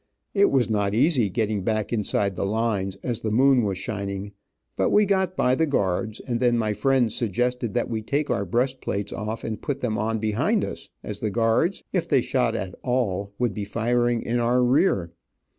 It was not easy getting back inside the lines, as the moon was shining, but we got by the guards, and then my friends suggested that we take our breast plates off and put them on behind us, as the guards, if they shot at all, would be firing in our rear.